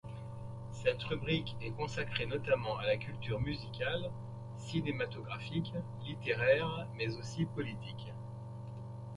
Cette rubrique est consacrée notamment à la culture musicale, cinématographique, littéraire mais aussi politique.